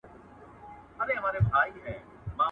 تر څو دا احساس وکړې چي ته لا هم ژوندی یې.